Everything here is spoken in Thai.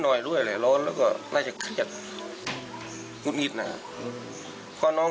หน่อยด้วยแหละร้อนแล้วก็น่าจะเครียดหุดหงิดนะฮะเพราะน้อง